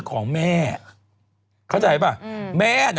คุณหมอโดนกระช่าคุณหมอโดนกระช่า